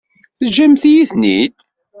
Teǧǧamt-iyi-ten-id?